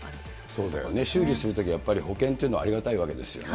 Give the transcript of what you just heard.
そうだよね、修理するときは保険というのはありがたいわけですよね。